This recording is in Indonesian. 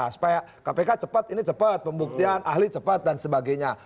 supaya kpk cepet ini cepet pembuktian ahli cepet dan sebagainya